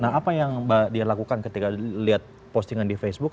nah apa yang mbak dian lakukan ketika lihat postingan di facebook